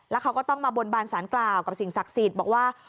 แล้วเขาก็ต้องมาบนบานสารกล่าวกับสิ่งศักดิ์สิทธิ์บอกว่า